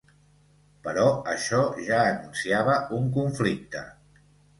Però això ja anunciava un conflicte.